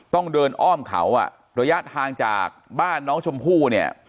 ต้องเดินอ้อมเขาอ่ะระยะทางจากบ้านน้องชมพู่เนี่ย